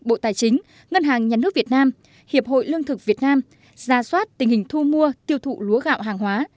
bộ tài chính ngân hàng nhà nước việt nam hiệp hội lương thực việt nam ra soát tình hình thu mua tiêu thụ lúa gạo hàng hóa